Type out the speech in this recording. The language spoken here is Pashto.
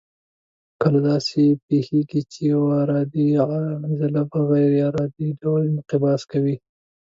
کله داسې پېښېږي چې یوه ارادي عضله په غیر ارادي ډول انقباض کوي.